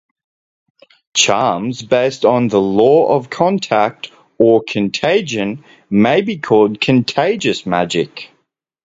Charms based on the Law of Contact or Contagion may be called contagious magic.